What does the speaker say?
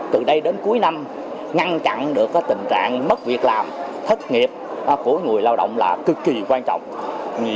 từ đây đến cuối năm ngăn chặn được tình trạng mất việc làm thất nghiệp của người lao động là cực kỳ quan trọng